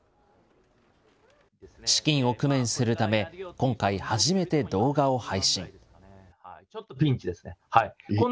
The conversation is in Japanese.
資金を工面するため、今回、初めて動画を配信。